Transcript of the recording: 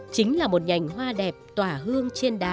chỉ là một đầy carrying hoa đẹp tỏa hơn trên đá